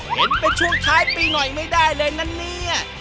เห็นเป็นช่วงท้ายปีหน่อยไม่ได้เลยนะเนี่ย